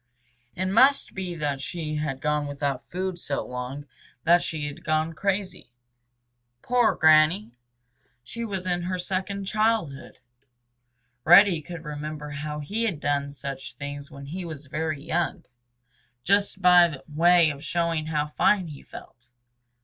It must be that she had gone without food so long that she had gone crazy. Poor Granny! She was in her second childhood. Reddy could remember how he had done such things when he was very young, just by way of showing how fine he felt.